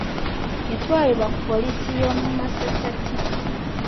Yatwalibwa ku poliisi y'omu masekkati.